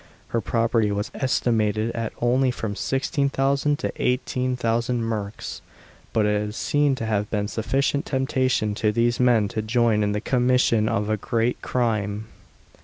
Her property was estimated at only from 16,000 to 18,000 merks, but it seems to have been sufficient temptation to these men to join in the commission of a great crime.